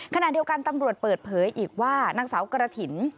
ขณะเดียวกันตำรวจเปิดเผยอีกว่านางสาวกระถิ่น